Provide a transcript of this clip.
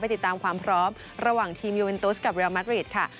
ติดตามความพร้อมระหว่างทีมยูเอ็นตุสกับเรียลมัตริดค่ะ